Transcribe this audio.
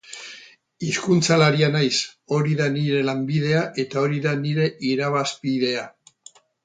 Hizkuntzalaria naiz, hori da nire lanbidea eta hori da nire irabazpidea.